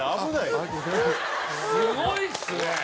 すごいっすね！